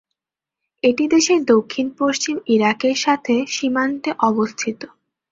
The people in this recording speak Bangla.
এটি দেশের দক্ষিণ-পশ্চিমে ইরাকের সাথে সীমান্তে অবস্থিত।